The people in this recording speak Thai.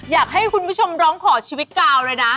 อยากให้คุณผู้ชมร้องขอชีวิตกาวเลยนะ